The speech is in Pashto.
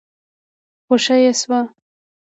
خوښه يې شوه.